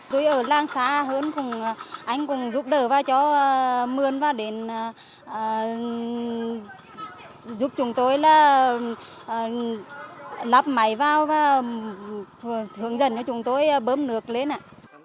tôi ở làng xã hơn anh cũng giúp đỡ và cho mươn vào đến giúp chúng tôi là lắp máy vào và hướng dẫn cho chúng tôi bơm nước lên ạ